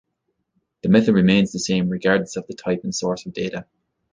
This method remains the same regardless of the type and source of data.